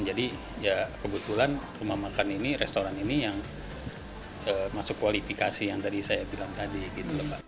jadi kebetulan rumah makan ini restoran ini yang masuk kualifikasi yang tadi saya bilang tadi